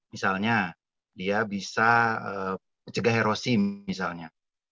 misalnya dia bisa mencegah herosim misalnya